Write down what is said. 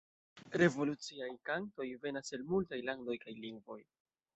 Revoluciaj kantoj venas el multaj landoj kaj lingvoj.